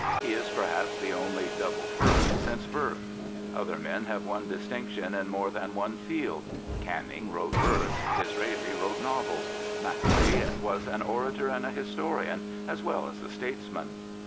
He is perhaps the only double first since Burke. Other men have won distinction in more than one field. Canning wrote verse. Disraeli wrote novels. Macaulay was an orator and a historian as well as a statesman.